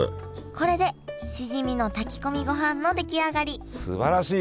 これでしじみの炊き込みごはんの出来上がりすばらしいよ